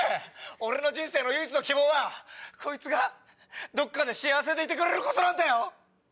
俺の人生の唯一の希望はこいつがどっかで幸せでいてくれることなんだよ！